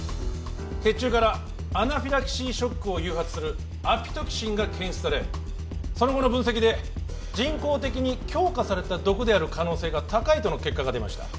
血中からアナフィラキシーショックを誘発するアピトキシンが検出されその後の分析で人工的に強化された毒である可能性が高いとの結果が出ました